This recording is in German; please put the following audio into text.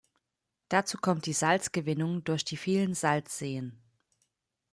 Dazu kommt die Salzgewinnung durch die vielen Salzseen.